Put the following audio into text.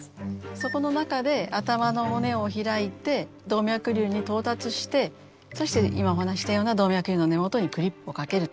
そこの中で頭の骨を開いて動脈瘤に到達してそして今お話ししたような動脈瘤の根元にクリップをかけると。